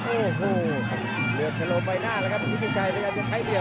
โอ้โหเลือดชะลมไปหน้าแล้วครับพี่ชิคชัยพยายามจะใช้เดียว